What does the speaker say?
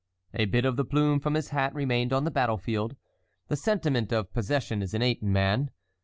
A bit of the plume from his hat remained on the battle field. The sentiment of possession is innate in man.